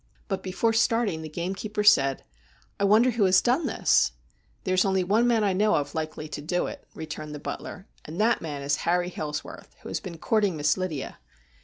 But before starting the gamekeeper said :' I wonder who has done this ?'' There is only one man I know of likely to do it,' returned the butler, ' and that man is Harry Hailsworth, who has been courting Miss Lydia.'